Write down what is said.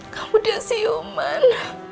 kau udah siuman